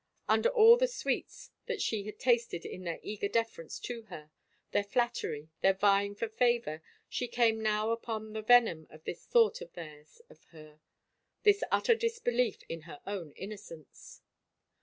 Under all the sweets that she had tasted in their eager deference to her, i:heir flattery, their vying for favor, she came now upon the venom of this thought of theirs of her, this utter disbelief in her own innocence.